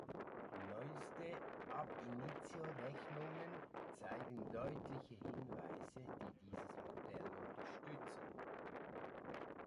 Neueste „ab initio“-Rechnungen zeigen deutliche Hinweise, die dieses Modell unterstützen.